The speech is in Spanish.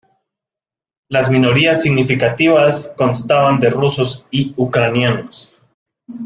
Las minorías significativas constaban de rusos y ucranianos.